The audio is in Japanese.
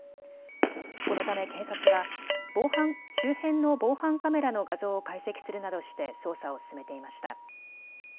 このため警察は周辺の防犯カメラの画像を解析するなどして捜査を進めていました。